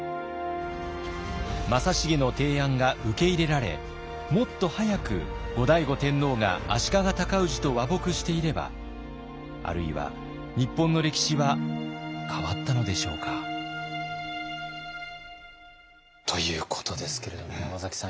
正成の提案が受け入れられもっと早く後醍醐天皇が足利尊氏と和睦していればあるいは日本の歴史は変わったのでしょうか？ということですけれども山崎さん